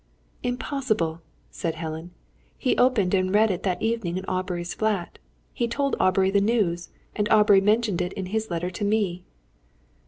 "Impossible," said Helen. "He opened and read it that evening in Aubrey's flat. He told Aubrey the news, and Aubrey mentioned it in his letter to me."